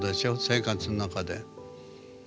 生活の中で。